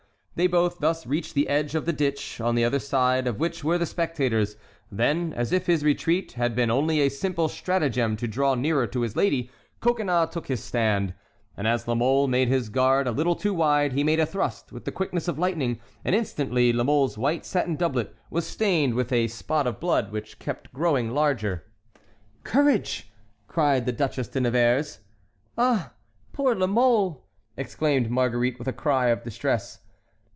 They both thus reached the edge of the ditch on the other side of which were the spectators; then, as if his retreat had been only a simple stratagem to draw nearer to his lady, Coconnas took his stand, and as La Mole made his guard a little too wide, he made a thrust with the quickness of lightning and instantly La Mole's white satin doublet was stained with a spot of blood which kept growing larger. "Courage!" cried the Duchesse de Nevers. "Ah, poor La Mole!" exclaimed Marguerite, with a cry of distress.